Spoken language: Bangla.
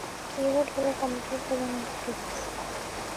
কীবোর্ড হলো কম্পিউটারের প্রধান ইনপুট ডিভাইস।